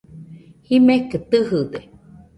Jimekɨ tɨjɨde